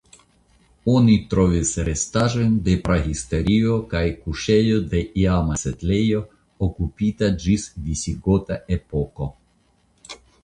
Oni trovis restaĵojn de prahistorio kaj kuŝejo de iama setlejo okupita ĝis visigota epoko.